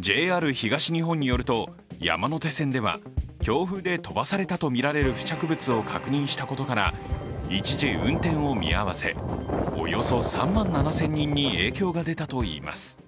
ＪＲ東日本によると、山手線では強風で飛ばされたとみられる付着物を確認したということから一時運転を見合わせ、およそ３万７０００人に影響が出たといいます。